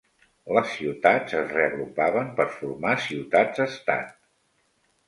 Les ciutats es reagrupaven per formar ciutats estat.